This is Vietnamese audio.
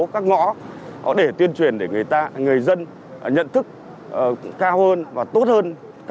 các ngõ để tuyên truyền để người dân nhận thức cao hơn và tốt hơn